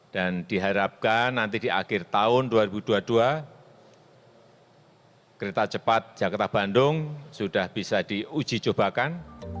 dan diharapkan nanti di akhir tahun dua ribu dua puluh dua kereta cepat jakarta bandung sudah bisa diuji coba kan